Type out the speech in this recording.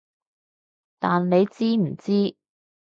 但你知唔知